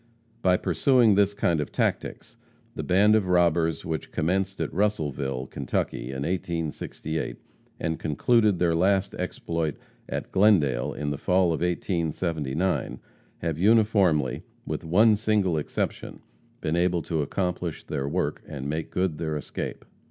By pursuing this kind of tactics, the band of robbers which commenced at Russellville, Kentucky, in 1868, and concluded their last exploit at Glendale, in the fall of 1879, have uniformly, with one single exception, been able to accomplish their work and make good their escape.